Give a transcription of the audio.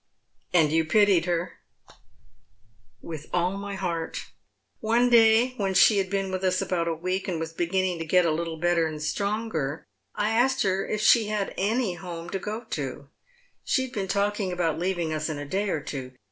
"/ nd you pitied her ?"" With all my heart. One day when she had been with us nbout a week, and was beginning to get a Uttlo better aud 164 Dead Men's Shoes. Btronger, I asked her if she had any home to go to. She had been talking about leaving us in a day or two.